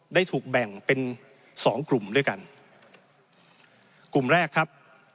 ได้ถูกแบ่งเป็นสองกลุ่มด้วยกันกลุ่มแรกครับ